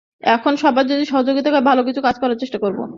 এখন সবার যদি সহযোগিতা পাই, ভালো কিছু কাজ করার চেষ্টা করব।